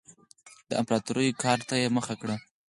د امپراتورۍ ګارډ ته یې مخه کړه